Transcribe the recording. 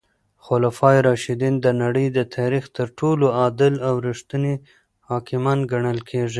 خلفای راشدین د نړۍ د تاریخ تر ټولو عادل او رښتیني حاکمان ګڼل کیږي.